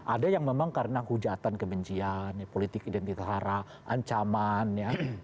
ada yang memang karena hujatan kebencian politik identitas hara ancaman ya